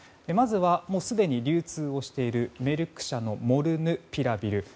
まずは、すでに流通しているメルク社のモルヌピラビル。